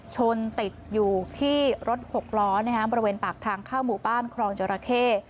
ชนติดอยู่ที่รถหกล้อบริเวณปากทางเข้าหมู่บ้านครองจราเข้